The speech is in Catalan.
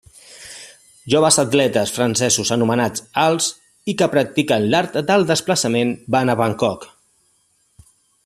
Joves atletes francesos anomenats els i que practiquen l'art del desplaçament van a Bangkok.